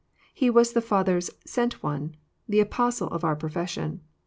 He was the Father's " sent One," the " Apostle " of our profession.